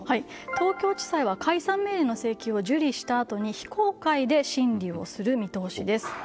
東京地裁は解散命令の請求を受理したあとに非公開で審理をする見通しです。